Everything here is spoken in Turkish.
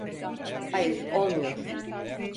Hayır, olmuyor.